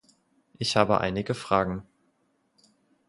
Ich habe einige Fragen.